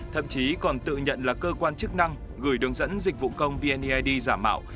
thậm chí còn tự nhận là cơ quan chức năng gửi đường dẫn dịch vụ công vneid giả mạo